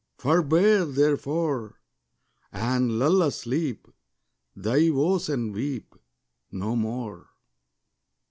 Forbear, therefore, And lull asleep Thy woes, and weep No more.